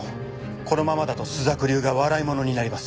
このままだと朱雀流が笑いものになります。